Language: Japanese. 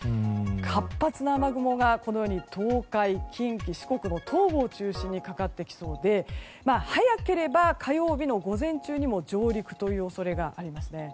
活発な雨雲が東海、近畿、四国の東部を中心にかかってきそうで早ければ、火曜日の午前中にも上陸という恐れがあります。